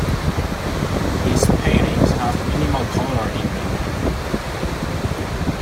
His paintings have minimal color in them.